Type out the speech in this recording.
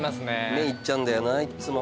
麺いっちゃうんだよないっつも。